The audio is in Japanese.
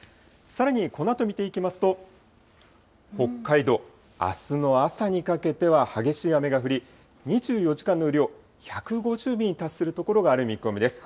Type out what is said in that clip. さらにこのあと見ていきますと、北海道、あすの朝にかけては激しい雨が降り、２４時間の雨量、１５０ミリに達する所がある見込みです。